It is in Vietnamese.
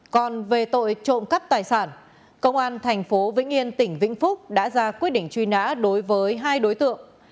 còn về tội trộm cắt tài sản công an thành phố vĩnh yên tỉnh vĩnh phúc đã ra quyết định truy nã đối với hai đối tượng